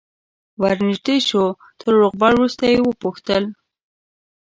ور نژدې شو تر روغبړ وروسته یې وپوښتل.